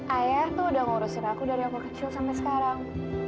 ayah tuh udah ngurusin aku dari aku kecil sampai sekarang